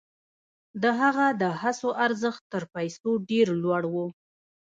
د هغه د هڅو ارزښت تر پیسو ډېر لوړ و.